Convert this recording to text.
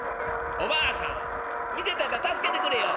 「おばあさん見てたんやったら助けてくれよ」。